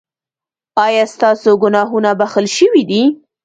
ایا ستاسو ګناهونه بښل شوي دي؟